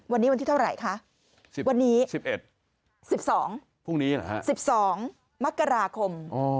วันนี้วันที่เท่าไหร่คะ๑๐วันนี้๑๑๑๒พรุ่งนี้เหรอฮะ๑๒มกราคม